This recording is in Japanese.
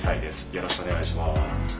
よろしくお願いします」。